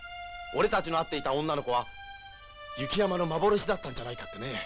俺たちの会っていた女の子は雪山の幻だったんじゃないかってね。